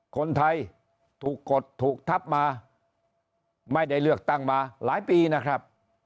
คนไทยถูกกดถูกทับมาไม่ได้เลือกตั้งมาหลายปีนะครับ